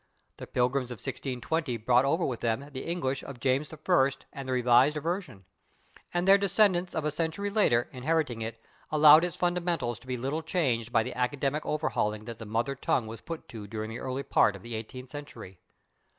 The Pilgrims of 1620 brought over with them the English of James I and the Revised [Pg056] Version, and their descendants of a century later, inheriting it, allowed its fundamentals to be little changed by the academic overhauling that the mother tongue was put to during the early part of the eighteenth century.